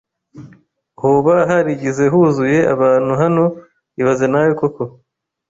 Hoba harigihe huzuye abantu hano ibaze nawe koko